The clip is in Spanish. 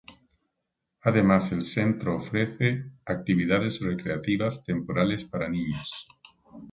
Además, el centro ofrece actividades recreativas temporales para los niños.